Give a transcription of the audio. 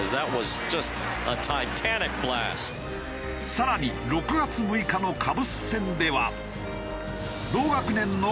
更に６月６日のカブス戦では。